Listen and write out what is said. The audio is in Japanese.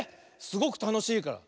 すごくたのしいから。